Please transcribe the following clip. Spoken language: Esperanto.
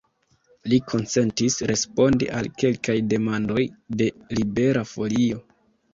Li konsentis respondi al kelkaj demandoj de Libera Folio.